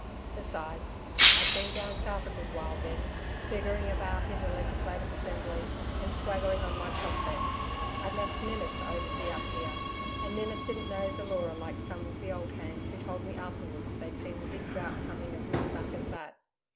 Besides, I'd been down south a good while, then, figuring about in the Legislative Assembly and swaggering on my prospects. I'd left Ninnis to oversee up here, and Ninnis didn't know the Leura like some of the old hands, who told me afterwards they'd seen the big drought coming as long back as that.